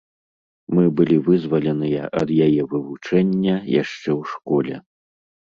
Мы былі вызваленыя ад яе вывучэння яшчэ ў школе.